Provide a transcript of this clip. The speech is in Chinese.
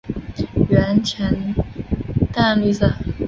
喙呈淡绿色。